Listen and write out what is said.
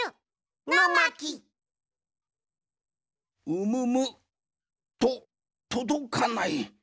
うむむ。ととどかない。